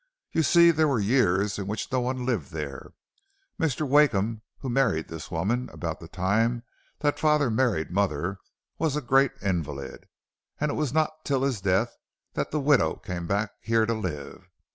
You see there were years in which no one lived there. Mr. Wakeham, who married this woman about the time father married mother, was a great invalid, and it was not till his death that the widow came back here to live.